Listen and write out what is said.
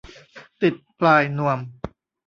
ติดปลายนวม